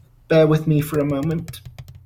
Bear with me for a moment.